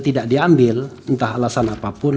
tidak diambil entah alasan apapun